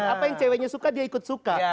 apa yang ceweknya suka dia ikut suka